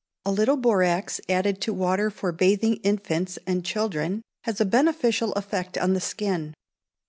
A little borax added to water for bathing infants and children has a beneficial effect on the skin.